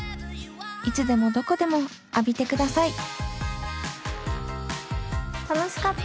いつでもどこでも浴びてください楽しかった。